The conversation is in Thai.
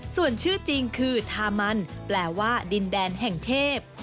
ส่วนชื่อจริงคือทามันแปลว่าดินแดนแห่งเทพ